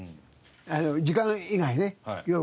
時間以外ね夜。